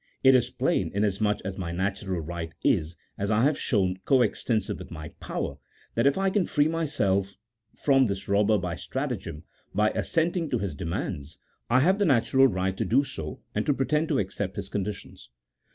It is plain (inasmuch as my natural right is, as I have shown, co extensive with my power) that if I can free myself from this robber by stratagem, by assenting to his demands, I have the natural right to do so, and to pretend to accept his conditions.